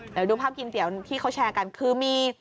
เดี๋ยวดูภาพกินเตี๋ยวที่เขาแชร์กันคือมี